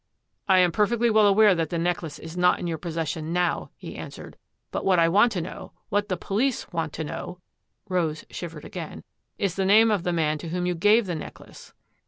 " I am perfectly well aware that the necklace is not in your possession now," he answered, " but what I want to know — what the police want to know "— Rose shivered again —" is the name of the man to whom you gave the necklace."